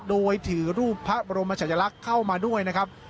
โดยถือรูปพระบรมชายลักษณ์เข้ามาด้วยนะครับ